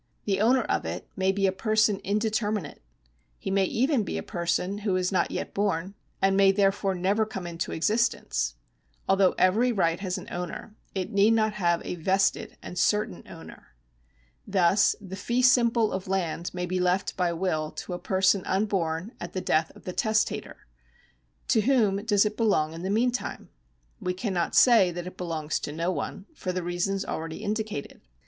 The owner of it may be a person indeterminate. He may even be a person who is not yet born, and may therefore never come into existence. Although every right has an owner, it need not have a vested and certain owner. Thus the fee simple of land may be left by will to a person unborn at the death of the testator. To whom does it belong in the meantime ? We cannot say that it belongs to no one, for the reasons already indicated.